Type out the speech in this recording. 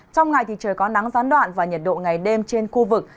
trong ngày thì trời có nắng gián đoạn và nhiệt độ ngày đêm trên khu vực